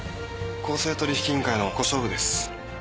「公正取引委員会の小勝負です」